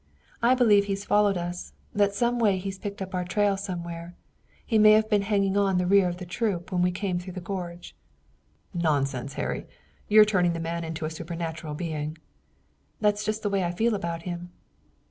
I believe he's followed us, that some way he's picked up our trail somewhere. He may have been hanging on the rear of the troop when we came through the gorge." "Nonsense, Harry, you're turning the man into a supernatural being." "That's just the way I feel about him."